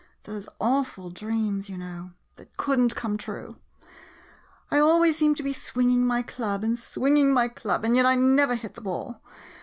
Those awful dreams, you know — that could n't come true ! I always seem to be swinging my club, and swinging my club, and yet I never hit the ball.